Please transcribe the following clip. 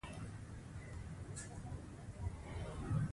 واک د خلکو د رضایت پر بنسټ پیاوړی کېږي.